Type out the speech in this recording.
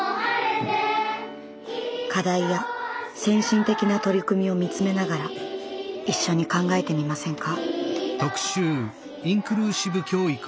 課題や先進的な取り組みを見つめながら一緒に考えてみませんか？